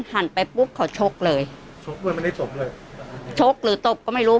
หันไปปุ๊บเขาชกเลยชกด้วยไม่ได้ตบเลยชกหรือตบก็ไม่รู้